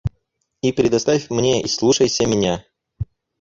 И предоставь мне, и слушайся меня.